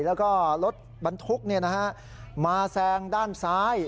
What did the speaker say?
แล้วก็รถบรรทุกมาแซงด้านซ้าย